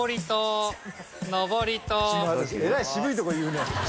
えらい渋いとこ言うね。